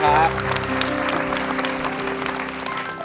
ทำไมวันนี้หล่อขึ้นกว่าเดิมเลย